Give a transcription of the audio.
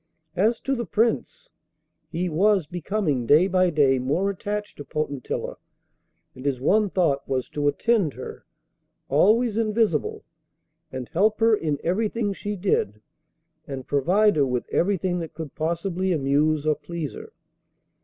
As to the Prince, he was becoming day by day more attached to Potentilla, and his one thought was to attend her, always invisible, and help her in everything she did, and provide her with everything that could possibly amuse or please her.